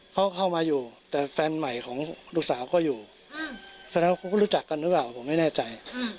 เพราะฉะนั้นเขาก็รู้จักกันหรือเปล่าผมไม่แน่ใจ